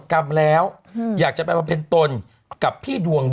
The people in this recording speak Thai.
เก่งจีนเป็นยังไง